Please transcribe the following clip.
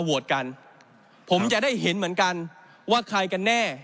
โหวตกันผมจะได้เห็นเหมือนกันว่าใครกันแน่